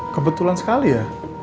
kebetulan sekali ya